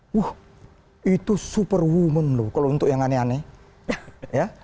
wuh itu superwoman loh kalau untuk yang aneh aneh